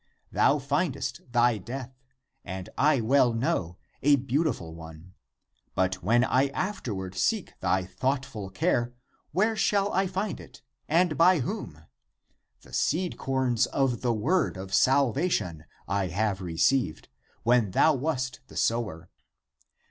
Thou findest thy death, and I well know, a beautiful one. But when I afterward seek thy thoughtful care, where shall I find it and by whom? The seed corns of the word of salvation I have received, when thou wast the sower.